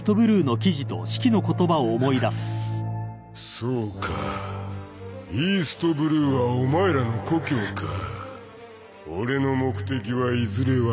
そうかイーストブルーはお前らの故郷か俺の目的はいずれ分かるさ